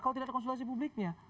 kalau tidak ada konsultasi publiknya